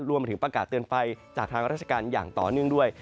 มาถึงประกาศเตือนไฟจากทางราชการอย่างต่อเนื่องด้วย